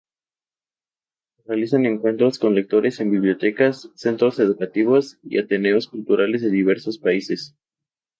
Realiza encuentros con lectores en bibliotecas, centros educativos y ateneos culturales de diversos países.